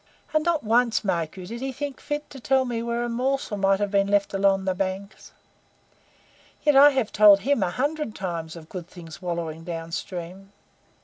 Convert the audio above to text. "And not once, mark you, did he think fit to tell me where a morsel might have been left along the banks. Yet I have told HIM a hundred times of good things wallowing down stream.